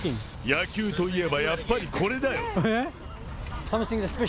野球といえばやっぱりこれだよ。